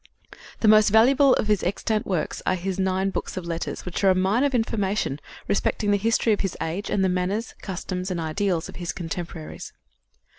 The most valuable of his extant works are his nine books of letters which are a mine of information respecting the history of his age and the manners, customs and ideals of his contemporaries.